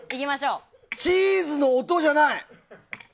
チーズの音じゃない！